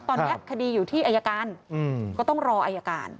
ตอนนี้คดีอยู่ที่อายการก็ต้องรออายการ